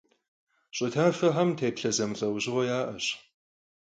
Ş'ı tafexem têplhe zemılh'eujığue ya'eş.